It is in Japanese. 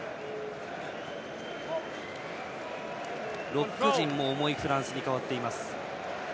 ロック陣も重いフランスに変わっています。